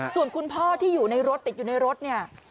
ส่วนคุณพ่อที่อยู่ในรถติดอยู่ในรถเนี่ย